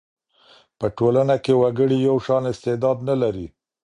په ټولنه کي وګړي یو شان استعداد نه لري.